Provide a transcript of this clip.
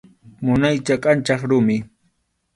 Munaycha kʼanchaq rumi.